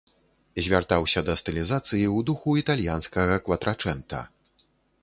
Звяртаўся да стылізацыі ў духу італьянскага кватрачэнта.